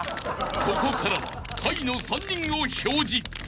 ［ここからは下位の３人を表示］